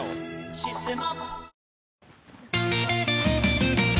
「システマ」